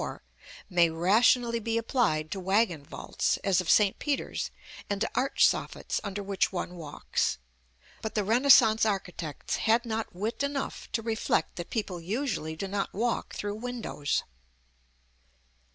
may rationally be applied to waggon vaults, as of St. Peter's, and to arch soffits under which one walks. But the Renaissance architects had not wit enough to reflect that people usually do not walk through windows.